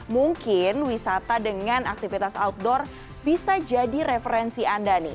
mungkin wisata dengan aktivitas outdoor bisa jadi referensi anda nih